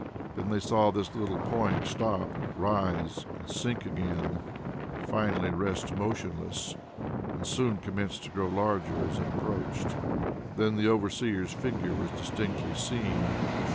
Then they saw this little point stop, rise and sink again, finally rest motionless, and soon commence to grow larger as it approached. Then the overseer's figure was distinctly seen.